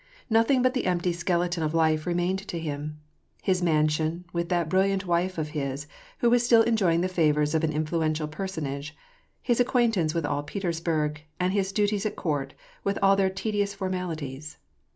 Nothing but the empty skele ton of life remained to him : his mansion, with that brilliant wife of his, who was still enjoying the favors of an influential personage ; his acquaintance with all Petersburg ; and his duties at court, with all their tedious formalities.